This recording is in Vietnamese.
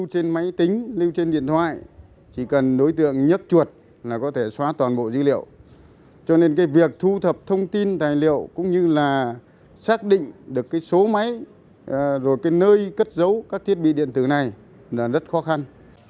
rồi cái nơi cất giấu các thiết bị điện tử này là rất khó khăn